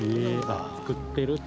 作ってるって。